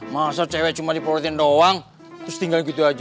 masa cewe cuma diprotekin doang terus tinggal gitu aja